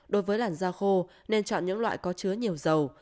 đối với làn da khô nên chọn những loại có chứa nhiều dầu